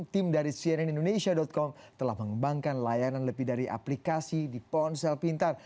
tim dari cnn indonesia com telah mengembangkan layanan lebih dari aplikasi di ponsel pintar